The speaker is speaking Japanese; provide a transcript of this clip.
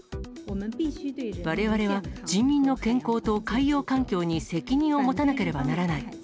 われわれは人民の健康と海洋環境に責任を持たなければならない。